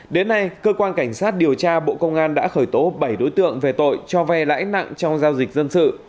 đến nay cơ quan cảnh sát điều tra bộ công an đã khởi tố bảy đối tượng về tội cho vay lãi nặng trong giao dịch dân sự